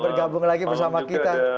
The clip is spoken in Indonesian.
bergabung lagi bersama kita